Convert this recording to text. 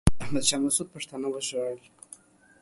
احمد شاه مسعود پښتانه وژل.